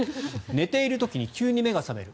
寝ている時に急に目が覚める。